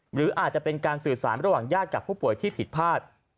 หรืออาจจะเป็นการสื่อสารระหว่างญาติกับผู้ป่วยที่ผิดพลาด